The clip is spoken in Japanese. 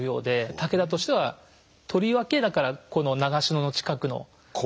武田としてはとりわけだからこの長篠の近くの鉛の鉱山が欲しかった。